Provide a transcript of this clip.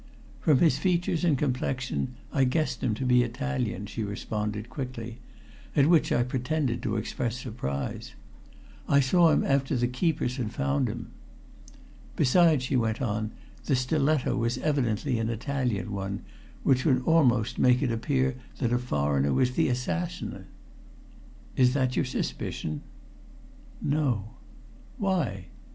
"From his features and complexion I guessed him to be Italian," she responded quickly, at which I pretended to express surprise. "I saw him after the keepers had found him." "Besides," she went on, "the stiletto was evidently an Italian one, which would almost make it appear that a foreigner was the assassin." "Is that your own suspicion?" "No." "Why?"